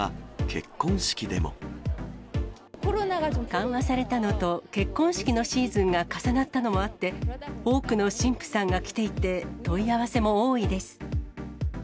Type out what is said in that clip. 緩和されたのと、結婚式のシーズンが重なったのもあって、多くの新婦さんが来ていて、問い合わせも多いです。